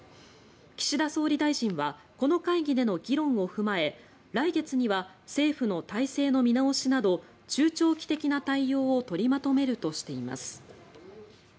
岸田総理大臣はこの会議での議論を踏まえ来月には政府の体制の見直しなど中長期的な対応を取りまとめるとしています。